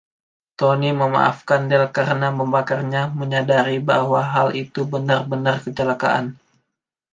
Toni memaafkan Del karena membakarnya – menyadari bahwa hal itu benar-benar kecelakaan.